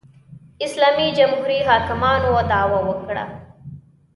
اسلامي جمهوري حاکمانو دعوا وکړه